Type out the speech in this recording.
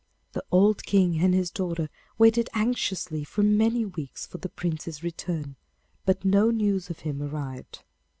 The old King and his daughter waited anxiously for many weeks for the Prince's return, but no news of him arrived.